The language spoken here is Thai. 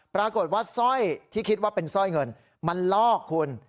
ปรากฏว่าสร้อยที่คิดว่าเป็นสร้อยเงินมันลอกคุณ